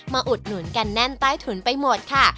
อุดหนุนกันแน่นใต้ถุนไปหมดค่ะ